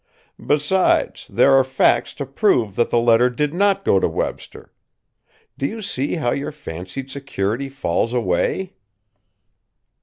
Besides, there are facts to prove that the letter did not go to Webster. Do you see how your fancied security falls away?"